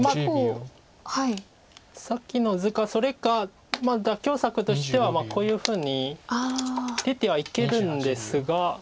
さっきの図かそれか妥協策としてはこういうふうに出てはいけるんですが。